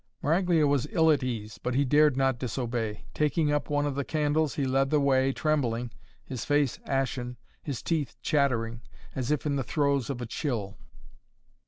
Maraglia was ill at ease, but he dared not disobey. Taking up one of the candles, he led the way, trembling, his face ashen, his teeth chattering, as if in the throes of a chill.